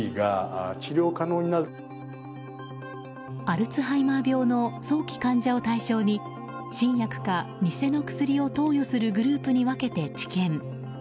アルツハイマー病の早期患者を対象に新薬か偽の薬を投与するグループに分けて治験。